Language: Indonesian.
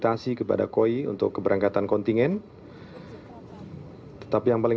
tolong dikontrol dengan baik